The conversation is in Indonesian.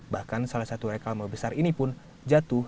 bahkan salah satu reklama besar ini pun jatuh